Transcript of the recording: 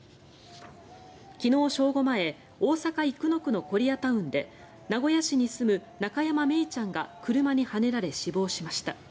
昨日正午前大阪・生野区のコリアタウンで名古屋市に住む中山愛李ちゃんが車にはねられ死亡しました。